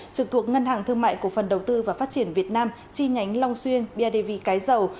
trực thuộc ngân hàng thương mại cổ phần đầu tư và phát triển việt nam chi nhánh long xuyên bidv cái dầu